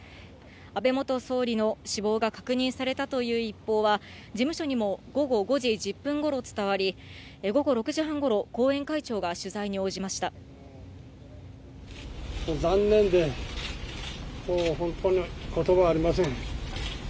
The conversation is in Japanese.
安倍元総理の死亡が確認されたという一報は、事務所にも午後５時１０分ごろ伝わり、午後６時半ごろ、後援会長残念で、もう本当にことばありません。